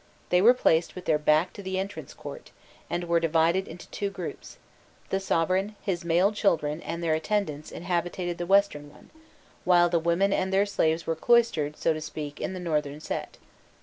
They were placed with their back to the entrance court, and were divided into two groups; the sovereign, his male children and their attendants, inhabited the western one, while the women and their slaves were cloistered, so to speak, in the northern set.